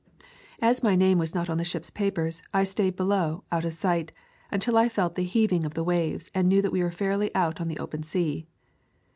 As my name was not on the ship's papers, I stayed below, out of sight, until I felt the heaving of the waves and knew that we were fairly out on the open sea.